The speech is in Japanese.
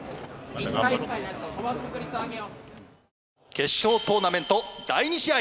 決勝トーナメント第２試合。